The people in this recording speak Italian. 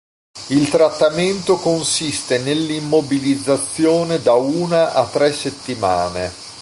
Il trattamento consiste nell'immobilizzazione da una a tre settimane.